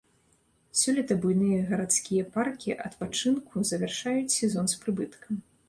Сёлета буйныя гарадскія паркі адпачынку завяршаюць сезон з прыбыткам.